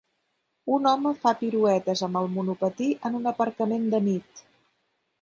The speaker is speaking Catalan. Un home fa piruetes amb el monopatí a un aparcament de nit.